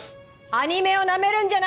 アニメをナメるんじゃない！